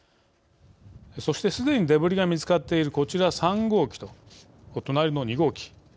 そして、すでにデブリが見つかっているこちら３号機と、隣の２号機。